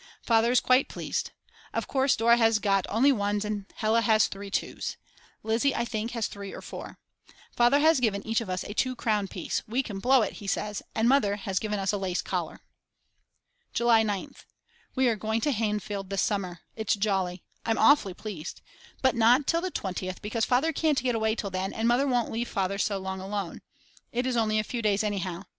Father is quite pleased. Of course Dora has got only ones and Hella has three twos. Lizzi, I think, has 3 or 4. Father has given each of us a 2 crown piece, we can blow it, he says and Mother has given us a lace collar. July 9th. We are going to Hainfeld this summer, its jolly, I'm awfully pleased; but not until the 20th because Father can't get away till then and Mother won't leave Father so long alone. It is only a few days anyhow.